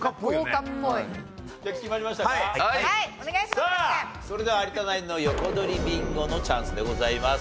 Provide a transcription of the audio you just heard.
さあそれでは有田ナインの横取りビンゴのチャンスでございます。